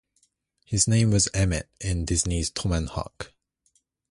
His name was Emmett in Disney's "Tom and Huck".